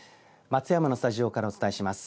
松山のスタジオからお伝えします。